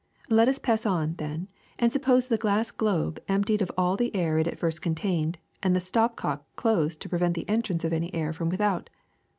Let us pass on, then, and suppose the glass globe emptied of all the air it at first contained, and the stop cock closed to pre vent the entrance of any air from without.